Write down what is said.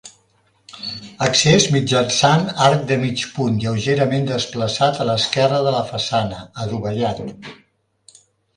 Accés mitjançant arc de mig punt lleugerament desplaçat a l'esquerra de la façana, adovellat.